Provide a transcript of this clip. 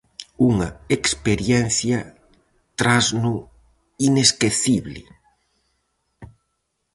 Unha experiencia trasno inesquecible!